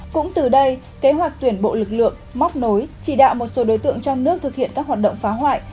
cũng từ đây kế hoạch tuyển bộ lực lượng móc nối chỉ đạo một số đối tượng trong nước thực hiện các hoạt động phá hoại